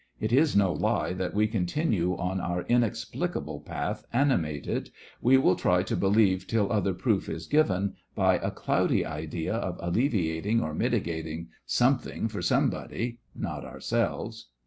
It is no lie that we continue on our inex plicable path animated, we will try to believe till other proof is given, by a cloudy idea of alleviating or mitigating something for somebody — not ourselves.